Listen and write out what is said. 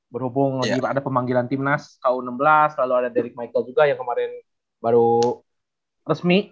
berhubung ada pemanggilan timnas u enam belas lalu ada derik michael juga yang kemarin baru resmi